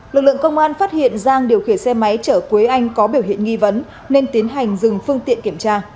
lực lượng công an phát hiện giang điều khiển xe máy chở quế anh có biểu hiện nghi vấn nên tiến hành dừng phương tiện kiểm tra